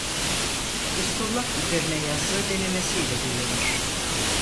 Usturlap üzerine yazdığı denemesiyle bilinir.